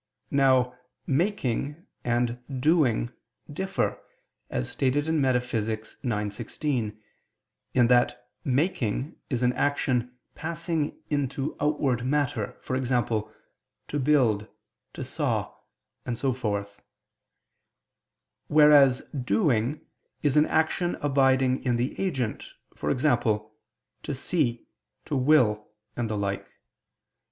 Now "making" and "doing" differ, as stated in Metaph. ix, text. 16, in that "making" is an action passing into outward matter, e.g. "to build," "to saw," and so forth; whereas "doing" is an action abiding in the agent, e.g. "to see," "to will," and the like.